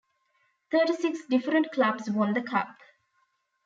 Thirty-six different clubs won the cup.